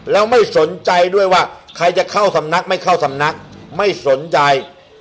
แล้วไม่สนใจด้วยว่าใครจะเข้าสำนักไม่เข้าสำนักไม่สนใจ